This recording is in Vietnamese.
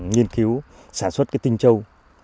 nghiên cứu sản xuất tinh châu